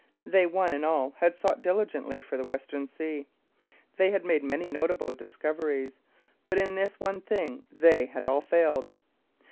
They one and all had sought diligently for the Western Sea; they had made many notable discoveries, but in this one thing they all had failed.